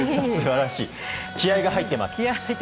気合が入っています。